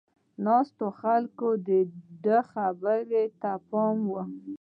ناستو خلکو د ده خبرو ته پام و.